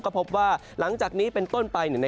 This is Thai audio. ก็พบว่าหลังจากนี้เป็นต้นไป